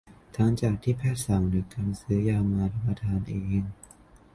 ทั้งจากที่แพทย์สั่งหรือการซื้อยามารับประทานเอง